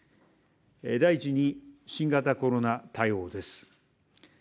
第１に、新型コロナ対応です。